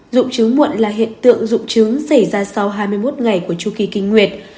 dụng chứng muộn là hiện tượng dụng trứng xảy ra sau hai mươi một ngày của chu kỳ kinh nguyệt